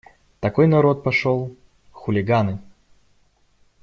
Такой народ пошел… хулиганы.